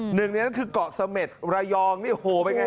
หนึ่งนี้คือกะเสม็ดระยองนี่โหเป็นไงฮะ